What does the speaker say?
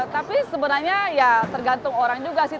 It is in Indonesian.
tapi sebenarnya ya tergantung orang juga sih